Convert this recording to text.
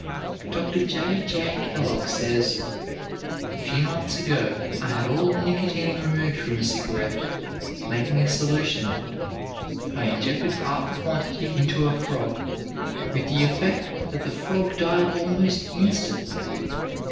Dr. J. J. Kellogg says: "A few months ago I had all the nicotine removed from a cigarette, making a solution of it. I injected half the quantity into a frog, with the effect that the frog died almost instantly.